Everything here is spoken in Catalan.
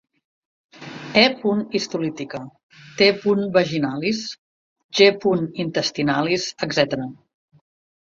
E. histolytica, T. vaginalis, G. intestinalis, etc.